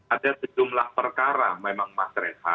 ada sejumlah perkara memang masyarakat saat ini sepertinya mandek di kpk